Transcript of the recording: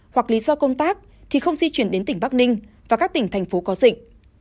hoặc lý do công tác thì không di chuyển đến tỉnh bắc ninh và các tỉnh thành phố có dịch